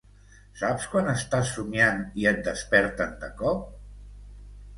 Saps quan estàs somiant i et desperten de cop?